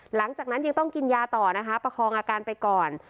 หลังจากนั้นยังต้องกินยาต่อนะคะประคองอาการไปก่อน